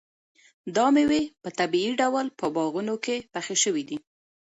دا مېوې په طبیعي ډول په باغونو کې پخې شوي دي.